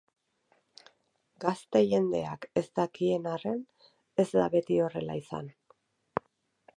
Gazte-jendeak ez dakien arren, ez da beti horrela izan.